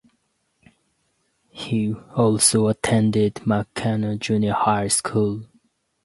He also attended McKenna Junior High School.